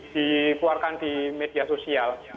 di keluarkan di media sosial